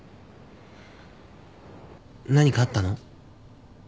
何かあったの？